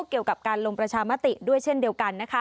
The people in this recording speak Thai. เกี่ยวกับการลงประชามติด้วยเช่นเดียวกัน